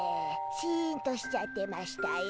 シンとしちゃってましたよ。